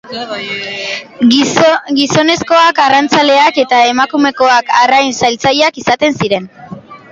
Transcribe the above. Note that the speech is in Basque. Gizonezkoak arrantzaleak eta emakumezkoak arrain-saltzaileak izaten ziren.